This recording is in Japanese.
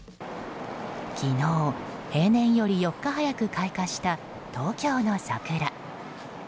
昨日平年より４日早く開花した東京の桜。